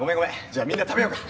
じゃあみんな食べようか。